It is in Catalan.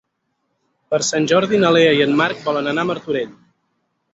Per Sant Jordi na Lea i en Marc volen anar a Martorell.